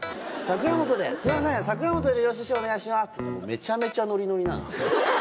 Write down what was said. めちゃめちゃノリノリなんすよ。